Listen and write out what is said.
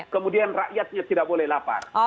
kemudian rakyatnya tidak boleh lapar